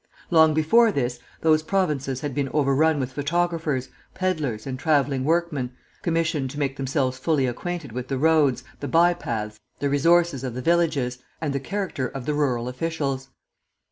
Long before this, those provinces had been overrun with photographers, pedlers, and travelling workmen, commissioned to make themselves fully acquainted with the roads, the by paths, the resources of the villages, and the character of the rural officials.